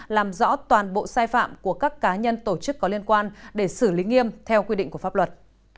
làm rõ toàn bộ sai phạm của các cá nhân tổ chức có liên quan để xử lý nghiêm theo quy định của pháp luật